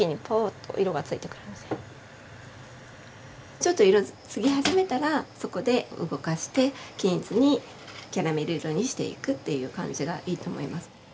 ちょっと色つき始めたらそこで動かして均一にキャラメル色にしていくっていう感じがいいと思います。